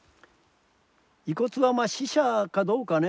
遺骨はまあ死者かどうかね